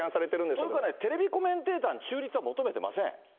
というか、テレビコメンテーターに中立は求めてません。